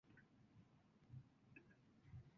新宿東口ってどこにあんの？